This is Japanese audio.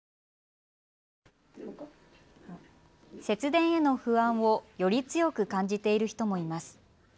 節電への不安をより強く感じている人もいます。